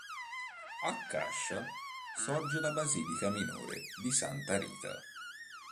A Cascia sorge la basilica minore di Santa Rita.